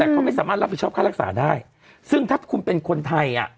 แต่เขาไม่สามารถรับผิดชอบค่ารักษาได้ซึ่งถ้าคุณเป็นคนไทยอ่ะ